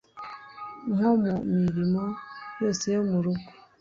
nko mu mirimo yose yo mu rugo